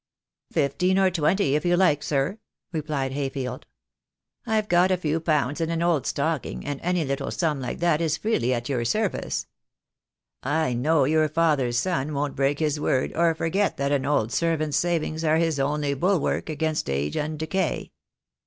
"Fifteen or twenty, if you like, sir," replied Hayfield. "I've got a few pounds in an old stocking, and any little sum like that is freely at your service. I know your father's son won't break his word or forget that an old servant's savings are his only bulwark against age and decay."